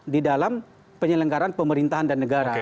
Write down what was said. di dalam penyelenggaran pemerintahan dan negara